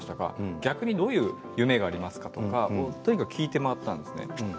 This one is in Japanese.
逆にどういう夢がありますかと聞いて回ったんです。